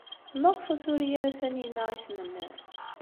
Maɣef ur turi ara Taninna isem-nnes?